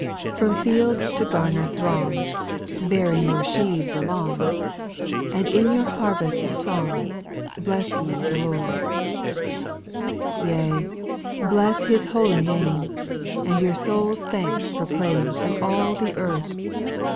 From field to gamer throng, Bearing your sheaves along ; And in your harvest song. Bless ye the Lord. 7. Yea, bless His holy name, And your souPs thanks proclaim Through all the earth.. 266 SPIRITUAL SONGS.